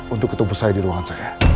untuk ketemu saya di ruangan saya